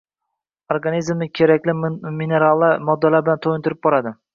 Organizmni kerakli mineral moddalar bilan toʻyintirib boradi